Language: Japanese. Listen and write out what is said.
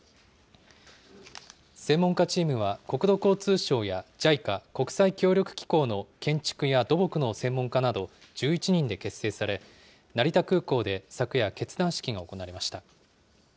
専門家チームは、国土交通省やＪＩＣＡ・国際協力機構の建築や土木の専門家など、１１人で結成され、成田空港で昨夜、結団式が行われました。